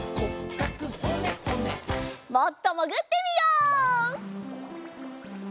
もっともぐってみよう！